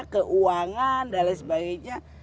keuangan dan lain sebagainya